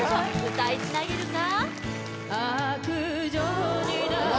歌いつなげるか？